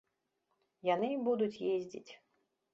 Яны і будуць ездзіць.